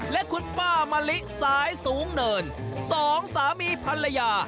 และคุณป้ามะลิสายสูงเนินสองสามีภรรยา